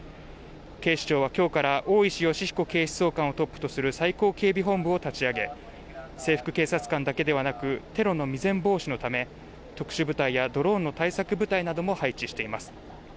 警視庁は今日から大石吉彦警視総監をトップとする最高警備本部を立ち上げ制服警察官だけではなくテロの未然防止のため特殊部隊やドローンの対策部隊なども配置しています